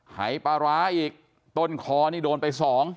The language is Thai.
หายปลาร้าอีกต้นคอนี่โดนไป๒